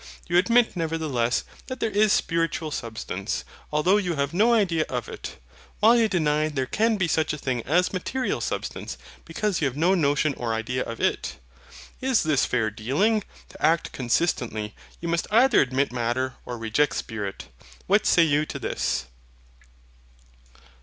You admit nevertheless that there is spiritual Substance, although you have no idea of it; while you deny there can be such a thing as material Substance, because you have no notion or idea of it. Is this fair dealing? To act consistently, you must either admit Matter or reject Spirit. What say you to this?